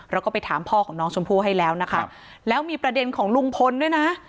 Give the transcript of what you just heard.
เราก็ไปถามพ่อของน้องชมพู่ให้แล้วนะคะแล้วมีประเด็นของลุงพลด้วยนะ